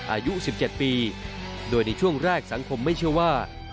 อายุ๑๗ปีโดยในช่วงแรกสังคมไม่เชื่อว่า